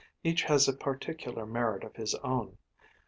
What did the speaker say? Each has a particular merit of his own.